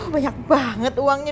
banyak banget uangnya